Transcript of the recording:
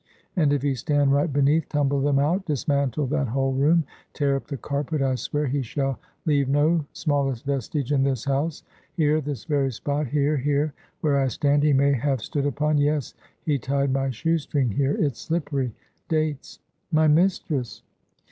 and if he stand right beneath, tumble them out! Dismantle that whole room. Tear up the carpet. I swear, he shall leave no smallest vestige in this house. Here! this very spot here, here, where I stand, he may have stood upon; yes, he tied my shoe string here; it's slippery! Dates!" "My mistress."